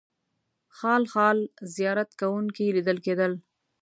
خال خال زیارت کوونکي لیدل کېدل.